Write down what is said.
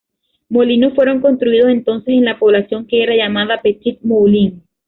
Molinos fueron construidos entonces en la población que era llamada Petit-Moulin.